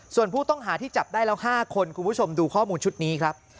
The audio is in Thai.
ส่วนผู้ต้องหาที่จับได้แล้ว๕คนคุณผู้ชมดูข้อมูลชุดนี้ครับ